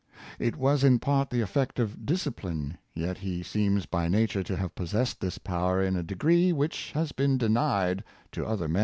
It was in part the effect of discipline, 3^et he seems by nature to have possessed this power in a de gree which has been denied to other men."